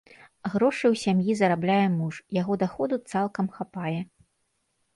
Грошы ў сям'і зарабляе муж, яго даходу цалкам хапае.